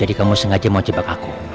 jadi kamu sengaja mau jebak aku